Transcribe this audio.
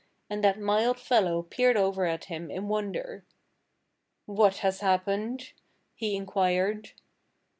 And that mild fellow peered over at him in wonder. "What has happened?" he inquired.